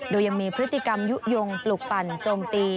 โดยยังมีพฤติกรรมยุโยงปลุกปั่นโจมตี